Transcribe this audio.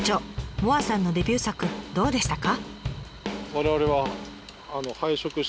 萌彩さんのデビュー作どうでしたか？